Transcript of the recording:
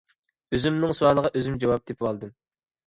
ئۆزۈمنىڭ سوئالىغا ئۆزۈم جاۋاب تېپىۋالدىم.